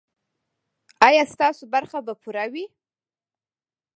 ایا ستاسو برخه به پوره وي؟